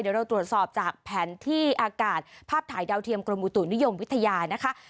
เดี๋ยวเราตรวจสอบจากแผนที่อากาศภาพถ่ายดาวเทียมกรมอุตุนิยมวิทยานะคะ